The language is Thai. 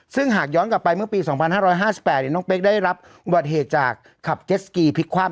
ซึ่งหากย้อนกลับไปเมื่อปีสองพันห้าร้อยห้าสิบแปดเนี่ยน้องเป๊กได้รับประเภทจากขับเจสกีพลิกคว่า